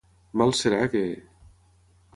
Mal serà que...